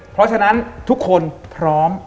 เพราะฉะนั้นทุกคนพร้อม